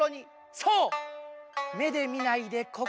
そう！